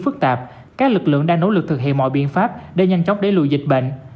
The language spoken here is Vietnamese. phức tạp các lực lượng đang nỗ lực thực hiện mọi biện pháp để nhanh chóng để lùi dịch bệnh